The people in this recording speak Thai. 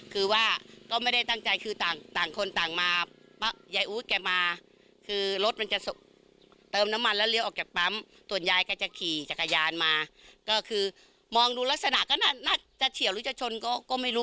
คือมองดูลักษณะก็น่าจะเฉียวหรือจะชนก็ไม่รู้